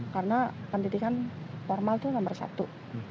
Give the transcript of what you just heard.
karena pendidikan formal itu nomor satu